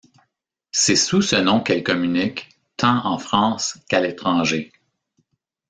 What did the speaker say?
C'est sous ce nom qu'elle communique, tant en France qu'à l'étranger.